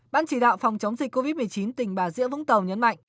bản chỉ đạo phòng chống dịch covid một mươi chín tỉnh bà địa vũng tàu nhấn mạnh